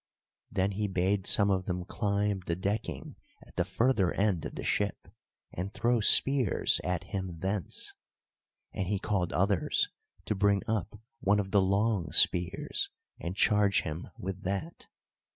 Then he bade some of them climb the decking at the further end of the ship, and throw spears at him thence; and he called others to bring up one of the long spears and charge him with that.